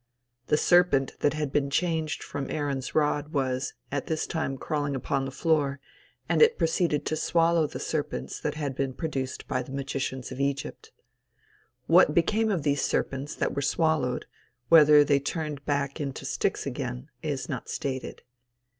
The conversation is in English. The serpent that had been changed from Aaron's rod was, at this time crawling upon the floor, and it proceeded to swallow the serpents that had been produced by the magicians of Egypt. What became of these serpents that were swallowed, whether they turned back into sticks again, is not stated.